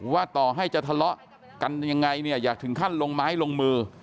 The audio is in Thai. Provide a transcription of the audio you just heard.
ต่อให้จะทะเลาะกันยังไงเนี่ยอยากถึงขั้นลงไม้ลงมือ